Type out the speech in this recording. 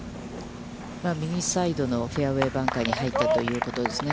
右サイドのフェアウェイバンカーに入ったということですね。